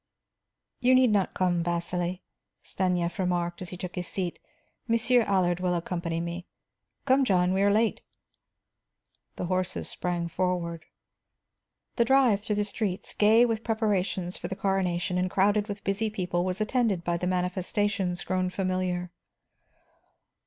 "You need not come, Vasili," Stanief remarked, as he took his seat. "Monsieur Allard will accompany me. Come, John; we are late." The horses sprang forward. The drive through the streets, gay with preparations for the coronation and crowded with busy people, was attended by the manifestations grown familiar.